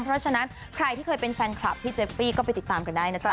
เพราะฉะนั้นใครที่เคยเป็นแฟนคลับพี่เจฟฟี่ก็ไปติดตามกันได้นะจ๊